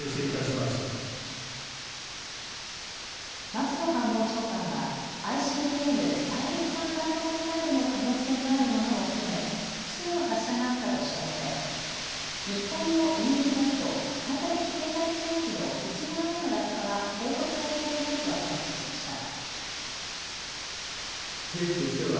松野官房長官はＩＣＢＭ・大陸間弾道ミサイルの可能性があるものも含め複数の発射があったとしたうえで日本のＥＥＺ・排他的経済水域の内側への落下は報告されていないと明らかにしました。